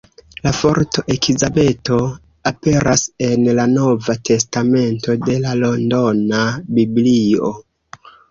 La formo Elizabeto aperas en la Nova testamento de la Londona Biblio.